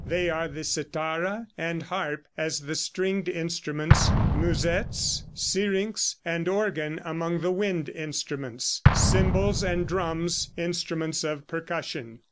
They are the cithara and harp as the stringed instruments; musetts, syrinx and organ among the wind instruments; cymbals and drums, instruments of percussion.